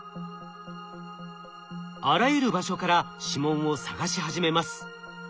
あらゆる場所から指紋を探し始めます。